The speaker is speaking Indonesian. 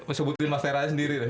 mesebutin mas teranya sendiri deh